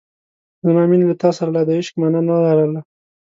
زما مینې له تا سره لا د عشق مانا نه لرله.